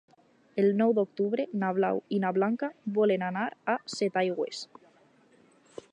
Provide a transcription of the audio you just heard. El nou d'octubre na Blau i na Blanca volen anar a Setaigües.